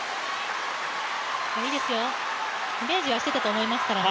いいですよ、イメージはしていたと思いますからね。